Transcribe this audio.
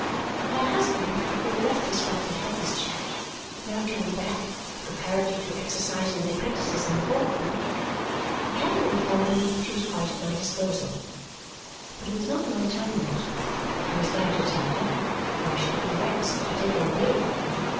Her husband, who had left us while we had this chat, now coming back, preparatory to exercising the apprentices in the ball room, Caddy informed me she was quite at my disposal. But it was not my time yet, I was glad to tell her, for I should have been vexed to take her away then.